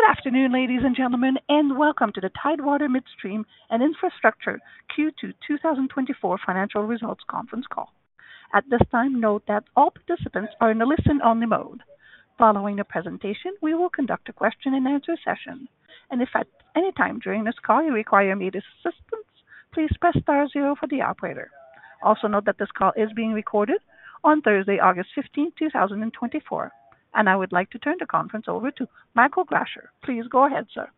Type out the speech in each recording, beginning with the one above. Good afternoon, ladies and gentlemen, and welcome to the Tidewater Midstream and Infrastructure Q2 2024 financial results conference call. At this time, note that all participants are in a listen-only mode. Following the presentation, we will conduct a question and answer session, and if at any time during this call you require any assistance, please press star zero for the operator. Also, note that this call is being recorded on Thursday, August 15th, 2024. I would like to turn the conference over to Michael Grascher. Please go ahead, sir.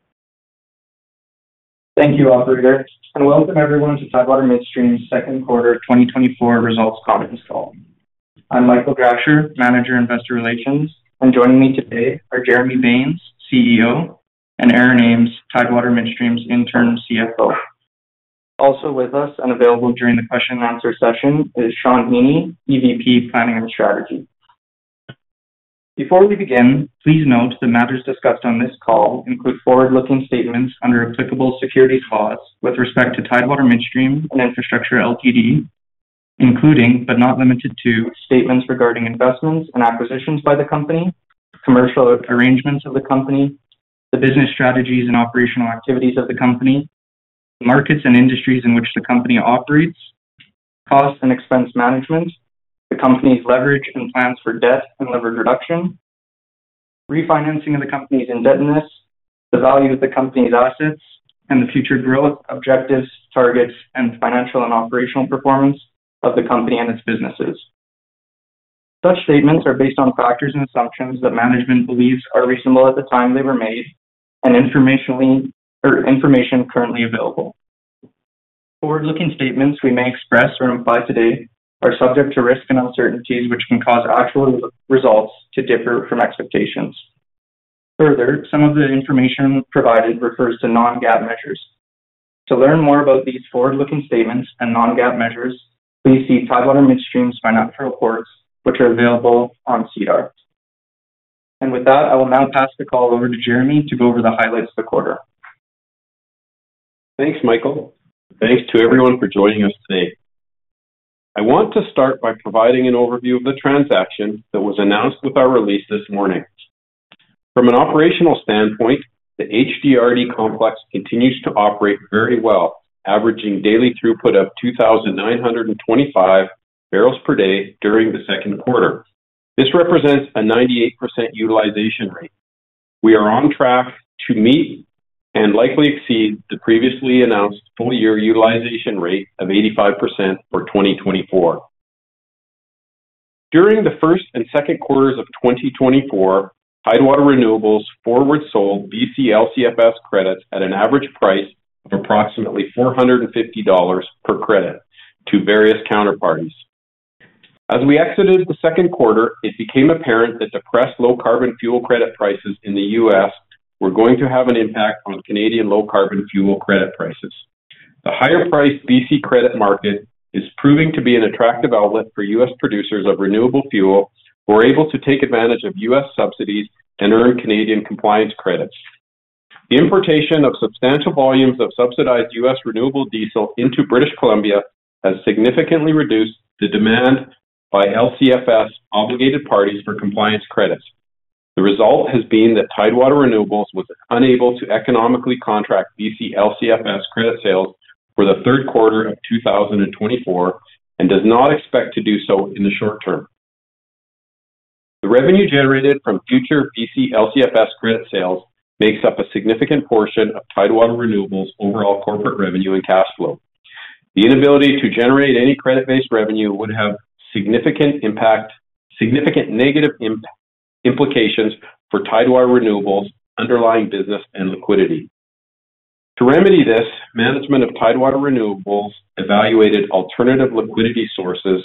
Thank you, operator, and welcome everyone to Tidewater Midstream's Second Quarter 2024 Results Conference Call. I'm Michael Gracher, Manager, Investor Relations, and joining me today are Jeremy Baines, CEO, and Aaron Ames, Tidewater Midstream's Interim CFO. Also with us and available during the question and answer session is Shawn Heaney, EVP, Planning and Strategy. Before we begin, please note the matters discussed on this call include forward-looking statements under applicable securities laws with respect to Tidewater Midstream and Infrastructure Ltd., including but not limited to, statements regarding investments and acquisitions by the company, commercial arrangements of the company, the business strategies and operational activities of the company, markets and industries in which the company operates, cost and expense management, the company's leverage and plans for debt and leverage reduction, refinancing of the company's indebtedness, the value of the company's assets, and the future growth, objectives, targets, and financial and operational performance of the company and its businesses. Such statements are based on factors and assumptions that management believes are reasonable at the time they were made and information currently available. Forward-looking statements we may express or imply today are subject to risks and uncertainties which can cause actual results to differ from expectations. Further, some of the information provided refers to non-GAAP measures. To learn more about these forward-looking statements and non-GAAP measures, please see Tidewater Midstream's financial reports, which are available on SEDAR. With that, I will now pass the call over to Jeremy to go over the highlights of the quarter. Thanks, Michael. Thanks to everyone for joining us today. I want to start by providing an overview of the transaction that was announced with our release this morning. From an operational standpoint, the HDRD complex continues to operate very well, averaging daily throughput of 2,925 barrels per day during the second quarter. This represents a 98% utilization rate. We are on track to meet and likely exceed the previously announced full year utilization rate of 85% for 2024. During the first and second quarters of 2024, Tidewater Renewables forward sold BC LCFS credits at an average price of approximately $ 450 per credit to various counterparties. As we exited the second quarter, it became apparent that the depressed low carbon fuel credit prices in the US were going to have an impact on Canadian low carbon fuel credit prices. The higher priced BC credit market is proving to be an attractive outlet for US producers of renewable fuel, who are able to take advantage of US subsidies and earn Canadian compliance credits. The importation of substantial volumes of subsidized US renewable diesel into British Columbia has significantly reduced the demand by LCFS obligated parties for compliance credits. The result has been that Tidewater Renewables was unable to economically contract BC LCFS credit sales for the third quarter of 2024 and does not expect to do so in the short term. The revenue generated from future BC LCFS credit sales makes up a significant portion of Tidewater Renewables' overall corporate revenue and cash flow. The inability to generate any credit-based revenue would have significant negative implications for Tidewater Renewables' underlying business and liquidity. To remedy this, management of Tidewater Renewables evaluated alternative liquidity sources,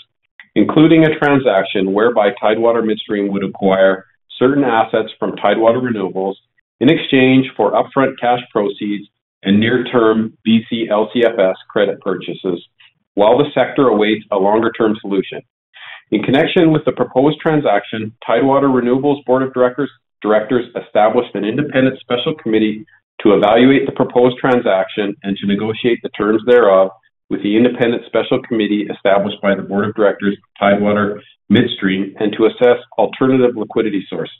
including a transaction whereby Tidewater Midstream would acquire certain assets from Tidewater Renewables in exchange for upfront cash proceeds and near-term BC LCFS credit purchases while the sector awaits a longer-term solution. In connection with the proposed transaction, Tidewater Renewables' Board of Directors established an independent special committee to evaluate the proposed transaction and to negotiate the terms thereof with the independent special committee established by the Board of Directors of Tidewater Midstream, and to assess alternative liquidity sources.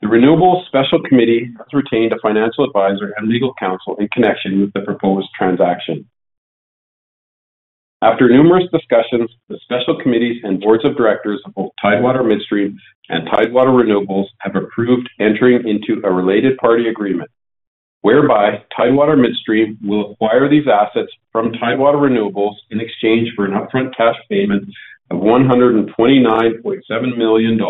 The Renewables Special Committee has retained a financial advisor and legal counsel in connection with the proposed transaction. After numerous discussions, the special committees and boards of directors of both Tidewater Midstream and Tidewater Renewables have approved entering into a related party agreement whereby Tidewater Midstream will acquire these assets from Tidewater Renewables in exchange for an upfront cash payment of $ 129.7 million,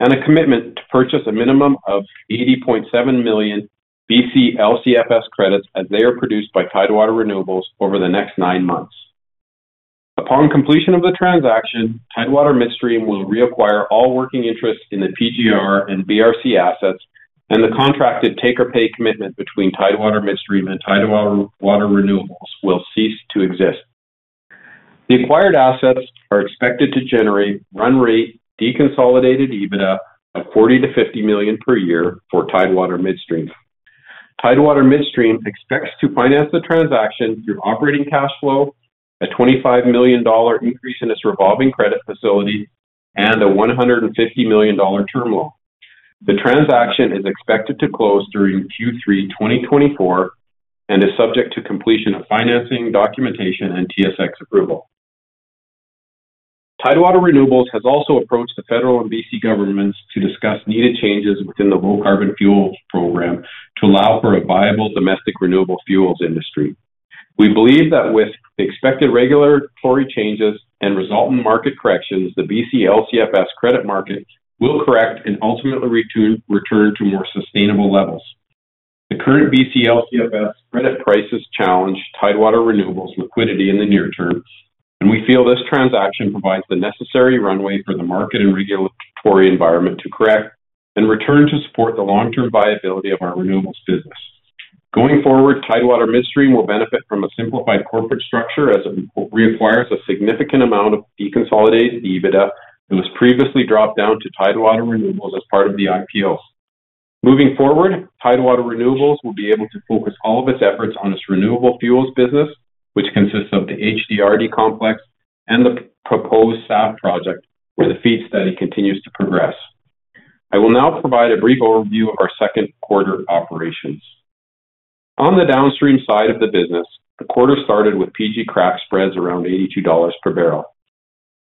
and a commitment to purchase a minimum of 80.7 million BC LCFS credits as they are produced by Tidewater Renewables over the next nine months. Upon completion of the transaction, Tidewater Midstream will reacquire all working interests in the PGR and BRC assets, and the contracted take-or-pay commitment between Tidewater Midstream and Tidewater Renewables will cease to exist. The acquired assets are expected to generate run rate, deconsolidated EBITDA of 40-50 million per year for Tidewater Midstream.... Tidewater Midstream expects to finance the transaction through operating cash flow, a $25 million increase in its revolving credit facility, and a $150 million term loan. The transaction is expected to close during Q3 2024 and is subject to completion of financing, documentation, and TSX approval. Tidewater Renewables has also approached the federal and BC governments to discuss needed changes within the low-carbon fuel program to allow for a viable domestic renewable fuels industry. We believe that with the expected regulatory changes and resultant market corrections, the BC LCFS credit market will correct and ultimately return to more sustainable levels. The current BC LCFS credit prices challenge Tidewater Renewables' liquidity in the near term, and we feel this transaction provides the necessary runway for the market and regulatory environment to correct and return to support the long-term viability of our renewables business. Going forward, Tidewater Midstream will benefit from a simplified corporate structure, as it reacquires a significant amount of deconsolidated EBITDA that was previously dropped down to Tidewater Renewables as part of the IPO. Moving forward, Tidewater Renewables will be able to focus all of its efforts on its renewable fuels business, which consists of the HDRD Complex and the proposed SAF project, where the FEED study continues to progress. I will now provide a brief overview of our second quarter operations. On the downstream side of the business, the quarter started with PG crack spreads around $82 per barrel.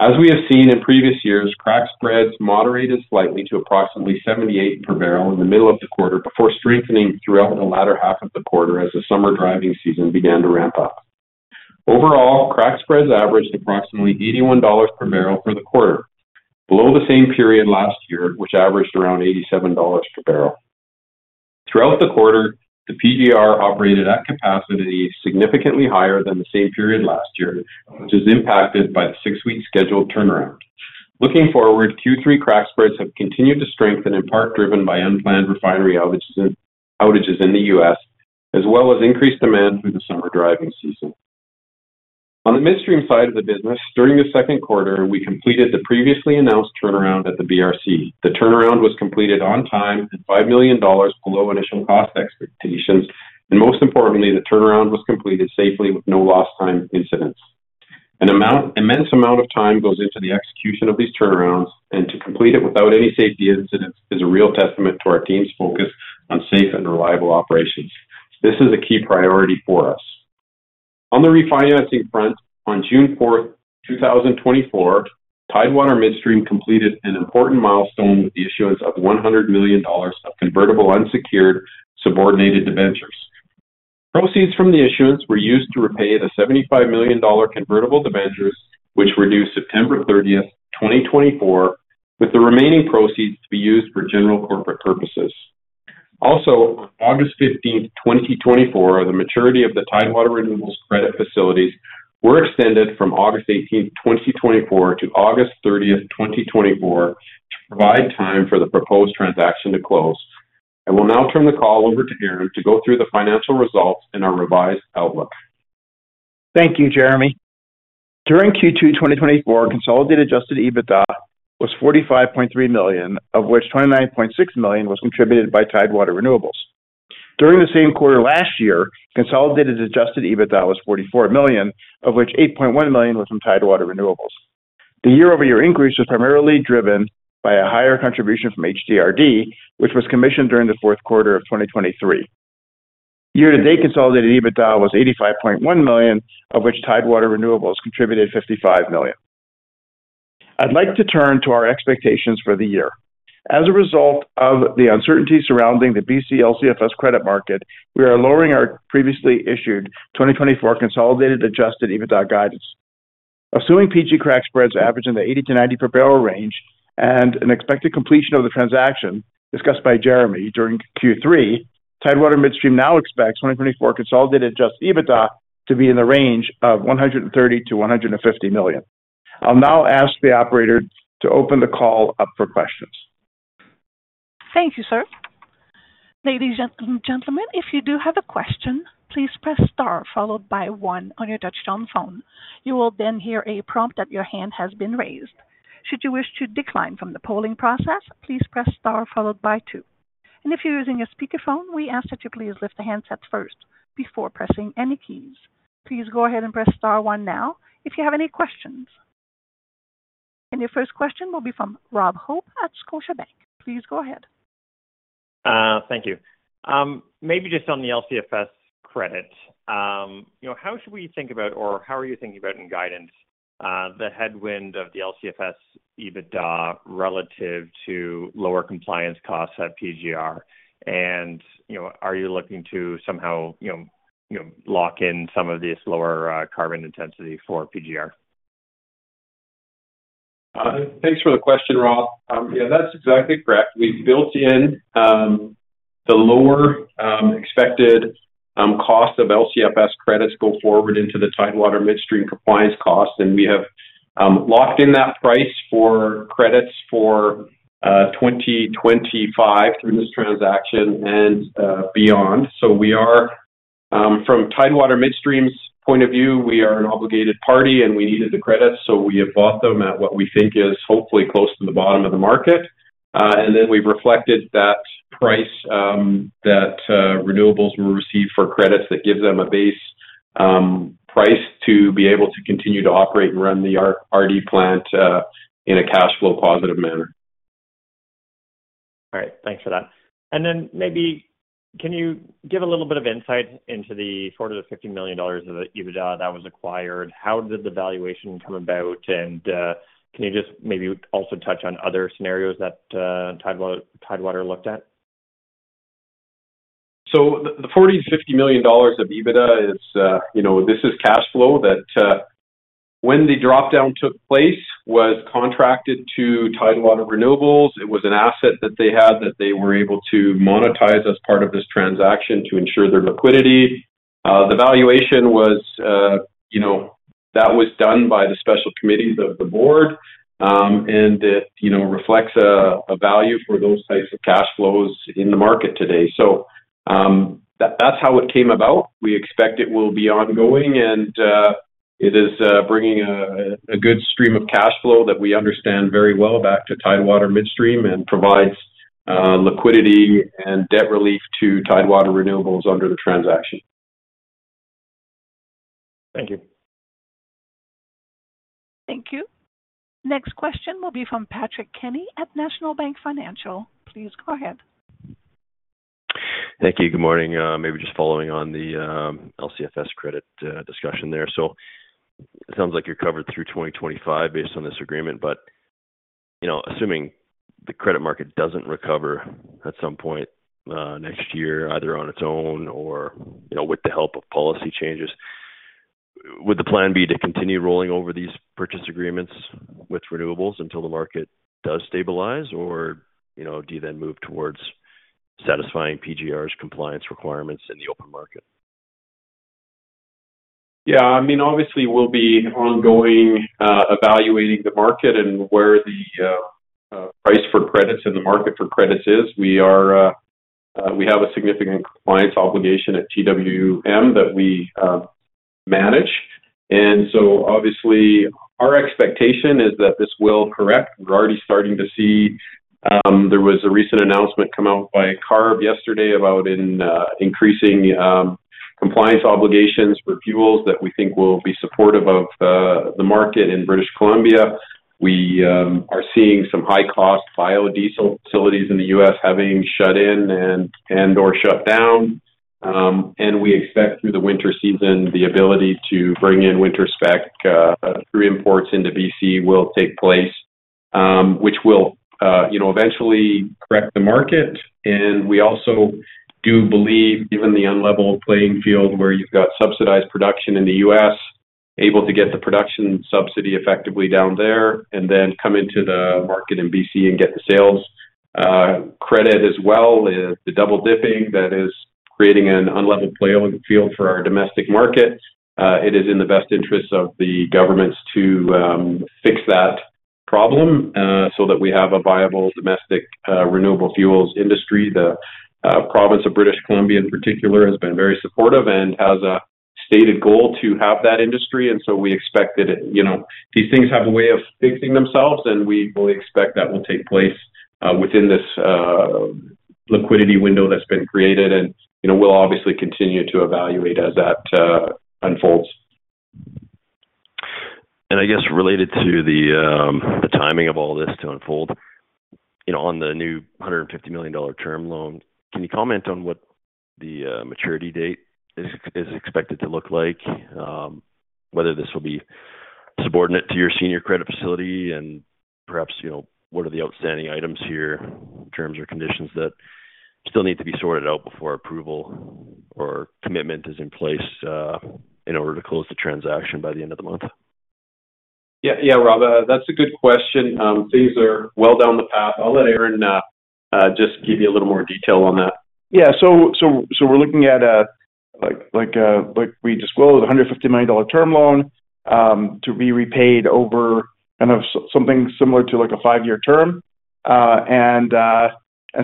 As we have seen in previous years, crack spreads moderated slightly to approximately $78 per barrel in the middle of the quarter, before strengthening throughout the latter half of the quarter as the summer driving season began to ramp up. Overall, crack spreads averaged approximately $81 per barrel for the quarter, below the same period last year, which averaged around $87 per barrel. Throughout the quarter, the PGR operated at capacity significantly higher than the same period last year, which is impacted by the 6-week scheduled turnaround. Looking forward, Q3 crack spreads have continued to strengthen, in part driven by unplanned refinery outages, outages in the U.S., as well as increased demand through the summer driving season. On the midstream side of the business, during the second quarter, we completed the previously announced turnaround at the BRC. The turnaround was completed on time and $5 million below initial cost expectations, and most importantly, the turnaround was completed safely with no lost time incidents. An immense amount of time goes into the execution of these turnarounds, and to complete it without any safety incidents is a real testament to our team's focus on safe and reliable operations. This is a key priority for us. On the refinancing front, on June 4, 2024, Tidewater Midstream completed an important milestone with the issuance of $100 million of convertible unsecured subordinated debentures. Proceeds from the issuance were used to repay the $75 million convertible debentures, which were due September 30, 2024, with the remaining proceeds to be used for general corporate purposes. Also, on August 15, 2024, the maturity of the Tidewater Renewables credit facilities were extended from August 18, 2024 to August 30, 2024, to provide time for the proposed transaction to close. I will now turn the call over to Aaron to go through the financial results and our revised outlook. Thank you, Jeremy. During Q2 2024, consolidated adjusted EBITDA was $ 45.3 million, of which $ 29.6 million was contributed by Tidewater Renewables. During the same quarter last year, consolidated adjusted EBITDA was $ 44 million, of which $ 8.1 million was from Tidewater Renewables. The year-over-year increase was primarily driven by a higher contribution from HDRD, which was commissioned during the fourth quarter of 2023. Year-to-date, consolidated EBITDA was $ 85.1 million, of which Tidewater Renewables contributed $ 55 million. I'd like to turn to our expectations for the year. As a result of the uncertainty surrounding the BC LCFS credit market, we are lowering our previously issued 2024 consolidated adjusted EBITDA guidance. Assuming PG crack spreads average in the 80-90 per barrel range and an expected completion of the transaction discussed by Jeremy during Q3, Tidewater Midstream now expects 2024 consolidated adjusted EBITDA to be in the range of $ 130 million- $ 150 million. I'll now ask the operator to open the call up for questions. Thank you, sir. Ladies and gentlemen, if you do have a question, please press star followed by one on your touchtone phone. You will then hear a prompt that your hand has been raised. Should you wish to decline from the polling process, please press star followed by two. And if you're using a speakerphone, we ask that you please lift the handsets first before pressing any keys. Please go ahead and press star one now if you have any questions. And your first question will be from Rob Hope at Scotiabank. Please go ahead. Thank you. Maybe just on the LCFS credit. You know, how should we think about or how are you thinking about in guidance, the headwind of the LCFS EBITDA relative to lower compliance costs at PGR? And, you know, are you looking to somehow, you know, you know, lock in some of these lower, carbon intensity for PGR? Thanks for the question, Rob. Yeah, that's exactly correct. We've built in the lower expected cost of LCFS credits go forward into the Tidewater Midstream compliance costs, and we have locked in that price for credits for 2025 through this transaction and beyond. So from Tidewater Midstream's point of view, we are an obligated party, and we needed the credits, so we have bought them at what we think is hopefully close to the bottom of the market. And then we've reflected that price that renewables will receive for credits that give them a base price to be able to continue to operate and run the HDRD plant in a cash flow positive manner. All right, thanks for that. And then maybe can you give a little bit of insight into the $ 40 million- $ 50 million of EBITDA that was acquired? How did the valuation come about? And, can you just maybe also touch on other scenarios that Tidewater looked at? So the $ 40 million- $ 50 million of EBITDA is, you know, this is cash flow that, when the drop-down took place, was contracted to Tidewater Renewables. It was an asset that they had, that they were able to monetize as part of this transaction to ensure their liquidity. The valuation was, you know, that was done by the special committees of the board. And it, you know, reflects, a value for those types of cash flows in the market today. So, that's how it came about. We expect it will be ongoing, and, it is, bringing a good stream of cash flow that we understand very well back to Tidewater Midstream and provides liquidity and debt relief to Tidewater Renewables under the transaction. Thank you. Thank you. Next question will be from Patrick Kenny at National Bank Financial. Please go ahead. Thank you. Good morning. Maybe just following on the LCFS credit discussion there. So it sounds like you're covered through 2025 based on this agreement, but, you know, assuming the credit market doesn't recover at some point next year, either on its own or, you know, with the help of policy changes, would the plan be to continue rolling over these purchase agreements with renewables until the market does stabilize? Or, you know, do you then move towards satisfying PGR's compliance requirements in the open market? Yeah, I mean, obviously, we'll be ongoing evaluating the market and where the price for credits and the market for credits is. We are, we have a significant compliance obligation at TWM that we manage, and so obviously our expectation is that this will correct. We're already starting to see. There was a recent announcement come out by CARB yesterday about increasing compliance obligations for fuels that we think will be supportive of the market in British Columbia. We are seeing some high-cost biodiesel facilities in the U.S. having shut in and or shut down. And we expect through the winter season, the ability to bring in winter spec through imports into B.C. will take place, which will, you know, eventually correct the market. We also do believe, given the unlevel playing field, where you've got subsidized production in the US, able to get the production subsidy effectively down there and then come into the market in BC and get the sales credit as well as the double-dipping that is creating an unlevel playing field for our domestic market. It is in the best interest of the governments to fix that problem so that we have a viable domestic renewable fuels industry. The province of British Columbia, in particular, has been very supportive and has a stated goal to have that industry, and so we expect that, you know, these things have a way of fixing themselves, and we fully expect that will take place within this liquidity window that's been created. And, you know, we'll obviously continue to evaluate as that unfolds. I guess related to the timing of all this to unfold, you know, on the new $ 150 million term loan, can you comment on what the maturity date is expected to look like? Whether this will be subordinate to your senior credit facility and perhaps, you know, what are the outstanding items here, terms or conditions that still need to be sorted out before approval or commitment is in place, in order to close the transaction by the end of the month? Yeah, yeah, Rob, that's a good question. Things are well down the path. I'll let Aaron just give you a little more detail on that. Yeah. So, we're looking at, like we disclosed, a $ 150 million term loan to be repaid over something similar to, like, a five-year term. And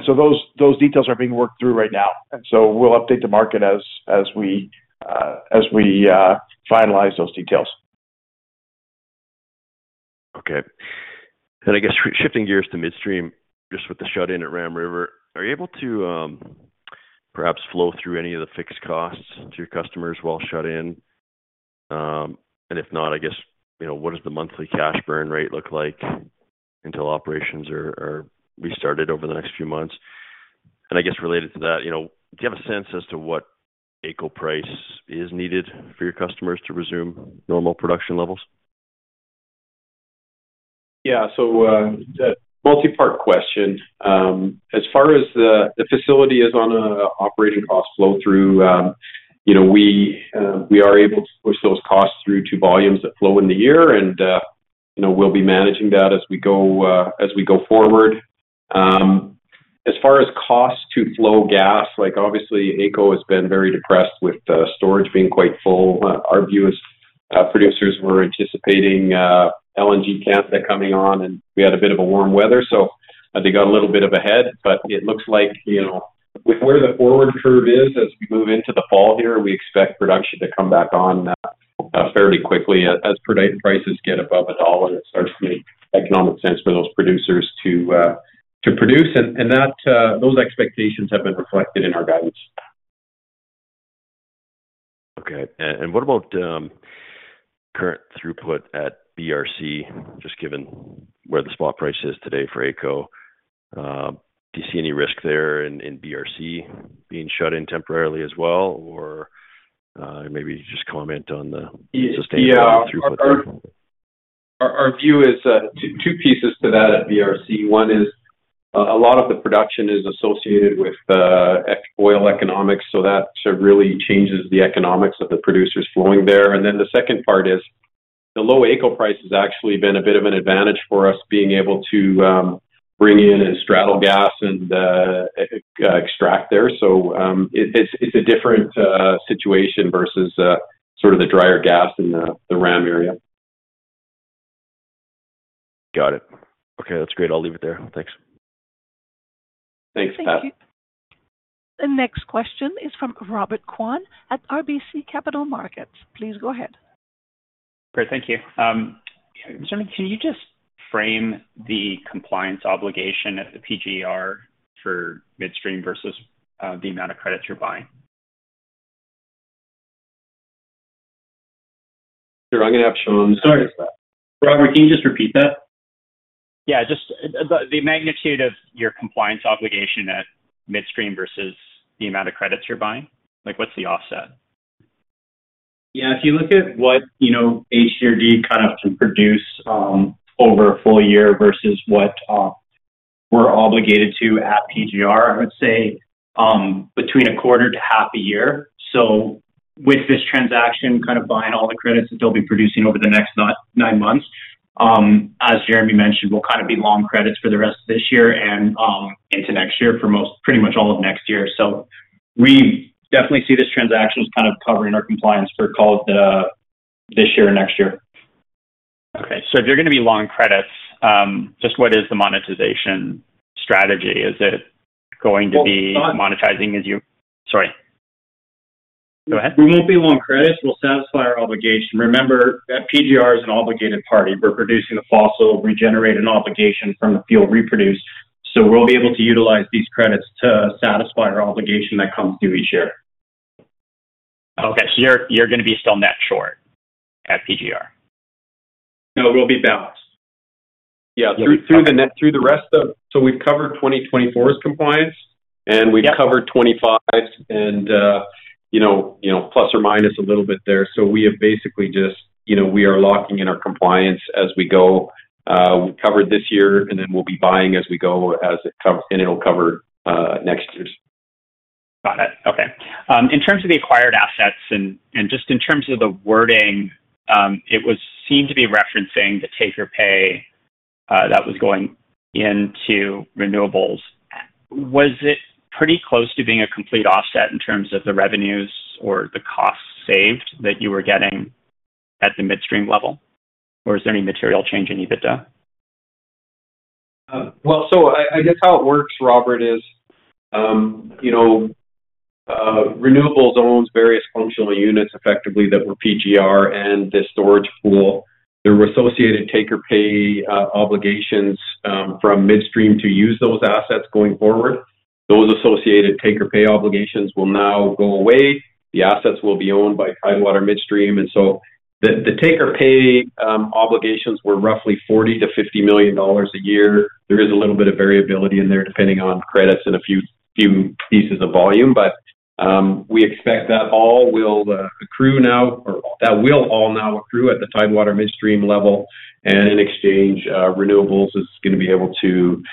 so those details are being worked through right now, and so we'll update the market as we finalize those details. Okay. And I guess shifting gears to midstream, just with the shut in at Ram River, are you able to perhaps flow through any of the fixed costs to your customers while shut in? And if not, I guess, you know, what does the monthly cash burn rate look like until operations are restarted over the next few months? And I guess related to that, you know, do you have a sense as to what AECO price is needed for your customers to resume normal production levels? Yeah. So, multi-part question. As far as the facility is on a operating cost flow through, you know, we are able to push those costs through to volumes that flow in the year and, you know, we'll be managing that as we go, as we go forward. As far as cost to flow gas, like, obviously, AECO has been very depressed with storage being quite full. Our view is producers were anticipating LNG Canada that's coming on, and we had a bit of a warm weather, so they got a little bit of a head. But it looks like, you know, with where the forward curve is as we move into the fall here, we expect production to come back on fairly quickly as prices get above $ 1, it starts to make economic sense for those producers to produce. And that, those expectations have been reflected in our guidance. Okay. And what about current throughput at BRC, just given where the spot price is today for AECO? Do you see any risk there in BRC being shut in temporarily as well? Or maybe just comment on the sustainable throughput. Yeah. Our view is two pieces to that at BRC. One is a lot of the production is associated with AECO oil economics, so that sort of really changes the economics of the producers flowing there. And then the second part is, the low AECO price has actually been a bit of an advantage for us being able to bring in and straddle gas and extract there. So, it's a different situation versus sort of the drier gas in the Ram area. Got it. Okay, that's great. I'll leave it there. Thanks. Thanks, Pat. Thank you. The next question is from Robert Kwan at RBC Capital Markets. Please go ahead. Great, thank you. Jeremy, can you just frame the compliance obligation at the PGR for midstream versus the amount of credits you're buying? Sure. I'm gonna have Shawn- Sorry, Robert, can you just repeat that? Yeah, just the magnitude of your compliance obligation at midstream versus the amount of credits you're buying. Like, what's the offset? Yeah, if you look at what, you know, HDRD kind of can produce over a full year versus what we're obligated to at PGR, I would say between a quarter to half a year. So with this transaction, kind of buying all the credits that they'll be producing over the next nine months, as Jeremy mentioned, we'll kind of be long credits for the rest of this year and into next year for most, pretty much all of next year. So we definitely see this transaction as kind of covering our compliance for call it this year and next year. Okay. If you're gonna be long credits, just what is the monetization strategy? Is it going to be monetizing as you- Sorry. Go ahead. We won't be long credits. We'll satisfy our obligation. Remember, that PGR is an obligated party. We're producing a fossil, we generate an obligation from the fuel produced, so we'll be able to utilize these credits to satisfy our obligation that comes due each year. Okay, so you're gonna be still net short at PGR? No, we'll be balanced. Yeah. Through the rest of... So we've covered 2024's compliance, and we've covered 2025 and, you know, you know, plus or minus a little bit there. So we have basically just, you know, we are locking in our compliance as we go. We've covered this year, and then we'll be buying as we go, as it cover, and it'll cover, next year's. Got it. Okay. In terms of the acquired assets and, and just in terms of the wording, it seemed to be referencing the take-or-pay that was going into renewables. Was it pretty close to being a complete offset in terms of the revenues or the costs saved that you were getting at the midstream level? Or is there any material change in EBITDA? Well, so I guess how it works, Robert, is, you know, renewables owns various functional units effectively that were PGR and the storage pool. There were associated take or pay obligations from midstream to use those assets going forward. Those associated take or pay obligations will now go away. The assets will be owned by Tidewater Midstream. And so the take or pay obligations were roughly $ 40 million- $ 50 million a year. There is a little bit of variability in there, depending on credits and a few pieces of volume. But we expect that all will accrue now, or that will all now accrue at the Tidewater Midstream level. In exchange, renewables is gonna be able to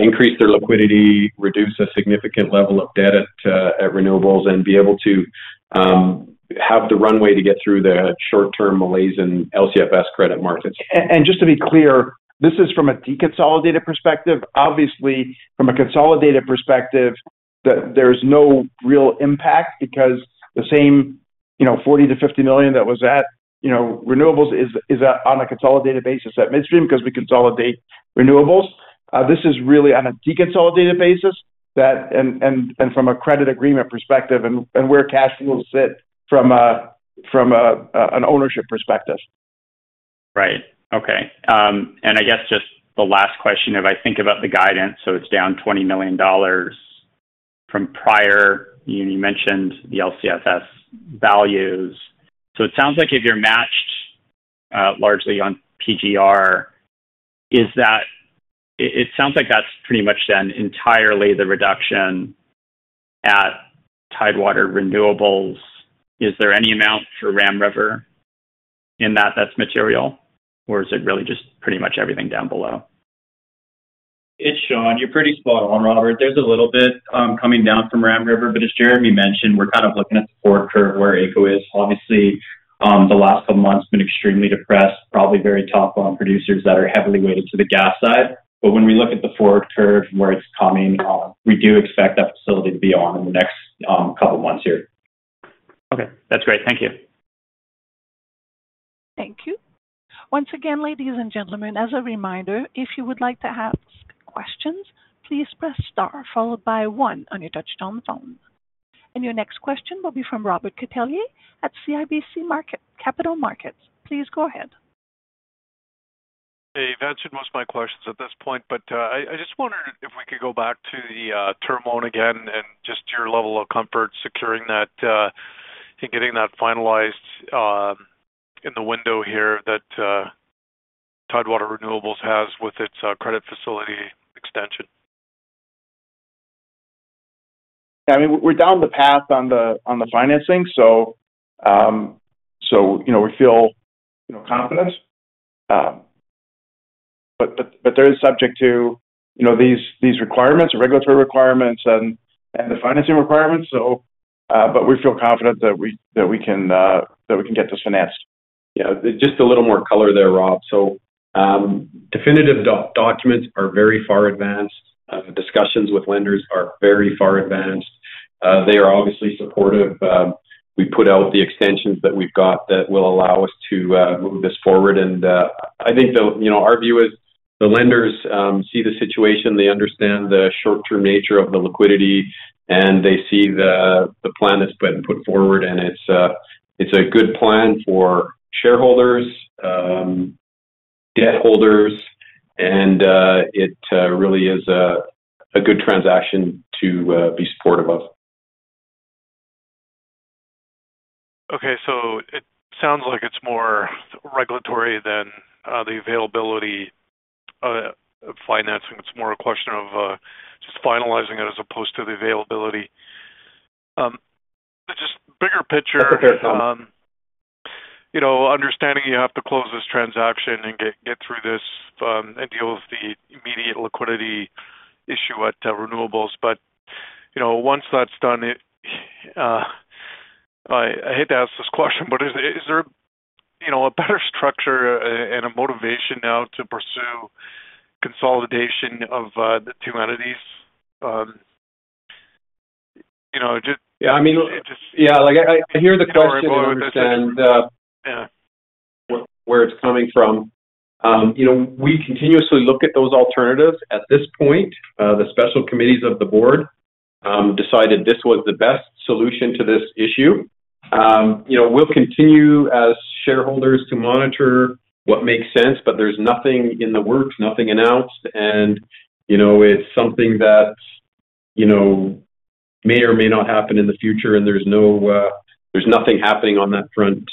increase their liquidity, reduce a significant level of debt at renewables, and be able to have the runway to get through the short-term malaise in LCFS credit markets. and just to be clear, this is from a deconsolidated perspective. Obviously, from a consolidated perspective, there's no real impact because the same, you know, $ 40-50 million that was at, you know, renewables is at, on a consolidated basis at midstream because we consolidate renewables. This is really on a deconsolidated basis, that... And from a credit agreement perspective and where cash flows sit from a an ownership perspective. Right. Okay. And I guess just the last question, if I think about the guidance, so it's down $ 20 million from prior, you mentioned the LCFS values. So it sounds like if you're matched largely on PGR, is that it sounds like that's pretty much then entirely the reduction at Tidewater Renewables. Is there any amount for Ram River in that that's material, or is it really just pretty much everything down below? It's Sean. You're pretty spot on, Robert. There's a little bit coming down from Ram River, but as Jeremy mentioned, we're kind of looking at the forward curve where AECO is. Obviously, the last couple of months have been extremely depressed, probably very tough on producers that are heavily weighted to the gas side. But when we look at the forward curve and where it's coming, we do expect that facility to be on in the next couple of months here. Okay. That's great. Thank you.... Once again, ladies and gentlemen, as a reminder, if you would like to ask questions, please press star followed by one on your touchtone phone. Your next question will be from Robert Catellier at CIBC Capital Markets. Please go ahead. Hey, you've answered most of my questions at this point, but, I, I just wondered if we could go back to the, term loan again and just your level of comfort securing that, and getting that finalized, in the window here that, Tidewater Renewables has with its, credit facility extension. I mean, we're down the path on the financing, so, you know, we feel, you know, confident. But there is subject to, you know, these requirements, regulatory requirements and the financing requirements. So, but we feel confident that we can, that we can get this financed. Yeah, just a little more color there, Rob. So, definitive documents are very far advanced. The discussions with lenders are very far advanced. They are obviously supportive. We put out the extensions that we've got that will allow us to move this forward. And, I think the, you know, our view is the lenders see the situation, they understand the short-term nature of the liquidity, and they see the plan that's been put forward, and it's a good plan for shareholders, debt holders, and it really is a good transaction to be supportive of. Okay, so it sounds like it's more regulatory than the availability of financing. It's more a question of just finalizing it as opposed to the availability. But just bigger picture- That's okay. You know, understanding you have to close this transaction and get through this, and deal with the immediate liquidity issue at Renewables. But, you know, once that's done, it... I hate to ask this question, but is there, you know, a better structure and a motivation now to pursue consolidation of the two entities? You know, just- Yeah, I mean- Just- Yeah, like I hear the question- Sorry about this.... and understand, yeah, where it's coming from. You know, we continuously look at those alternatives. At this point, the special committees of the board decided this was the best solution to this issue. You know, we'll continue as shareholders to monitor what makes sense, but there's nothing in the works, nothing announced. And, you know, it's something that, you know, may or may not happen in the future, and there's no, there's nothing happening on that front,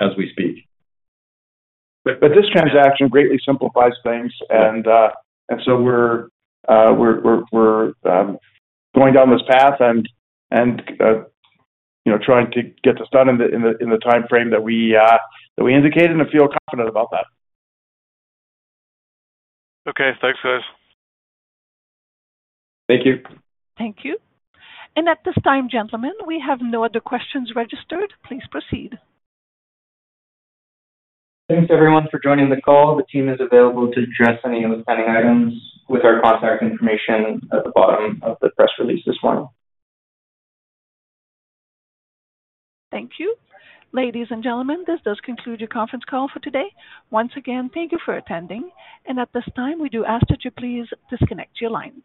as we speak. But this transaction greatly simplifies things. And, and so we're going down this path and, you know, trying to get this done in the timeframe that we indicated and feel confident about that. Okay. Thanks, guys. Thank you. Thank you. At this time, gentlemen, we have no other questions registered. Please proceed. Thanks, everyone, for joining the call. The team is available to address any of the pending items with our contact information at the bottom of the press release this morning. Thank you. Ladies and gentlemen, this does conclude your conference call for today. Once again, thank you for attending, and at this time, we do ask that you please disconnect your lines.